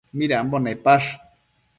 Midambo nepash?